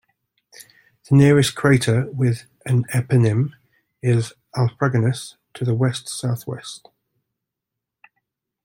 The nearest crater with an eponym is Alfraganus to the west-southwest.